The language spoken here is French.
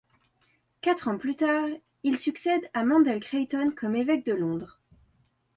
Quatre ans plus tard, il succède à Mandell Creighton comme évêque de Londres.